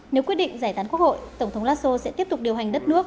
nếu quyết định giải tán quốc hội tổng thống laso sẽ tiếp tục điều hành đất nước